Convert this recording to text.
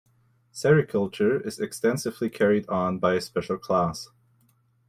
Sericulture is extensively carried on by a special class.